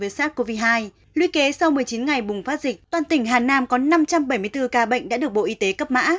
với sars cov hai luy kế sau một mươi chín ngày bùng phát dịch toàn tỉnh hà nam có năm trăm bảy mươi bốn ca bệnh đã được bộ y tế cấp mã